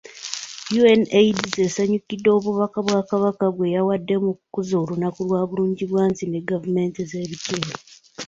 UNAIDS esanyukidde obubaka bwa Kabaka bwe yawadde mu kukuza olunaku lwa Bulungibwansi ne Gavumenti ez'ebitundu